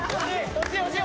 惜しい！